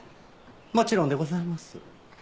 もちろんでございます。